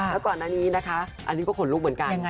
แล้วก่อนหน้านี้นะคะอันนี้ก็ขนลุกเหมือนกัน